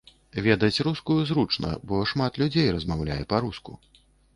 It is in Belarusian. Ведаць рускую зручна, бо шмат людзей размаўляе па-руску.